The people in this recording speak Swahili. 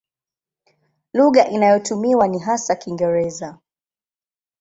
Lugha inayotumiwa ni hasa Kiingereza.